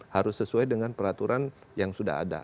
harus sesuai dengan peraturan yang sudah ada